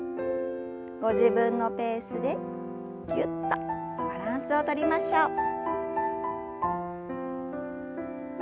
ご自分のペースでぎゅっとバランスをとりましょう。